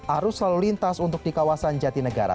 arus selalu lintas untuk di kawasan jati negara